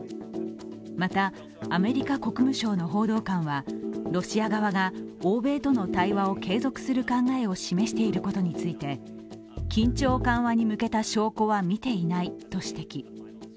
また、アメリカ国務省の報道官はロシア側が欧米との対話を継続する考えを示していることについて緊張緩和に向けた証拠は見ていないと指摘。